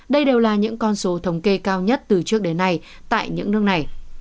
đây đều là những con số thống kê cao nhất từ trước đến nay tại những nước này